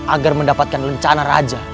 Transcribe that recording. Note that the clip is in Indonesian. agar mendapatkan rencana raja